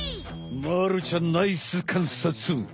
まるちゃんナイスかんさつ！